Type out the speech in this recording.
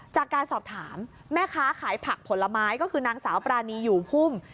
จากการสอบถามแม่ค้าขายผักผลไม้ก็คือนางสาวปรานีอยู่หุ้ม